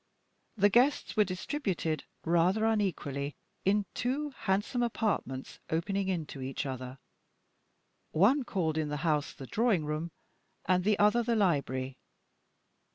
The guests were distributed, rather unequally, in two handsome apartments opening into each other one called in the house the drawing room, and the other the library.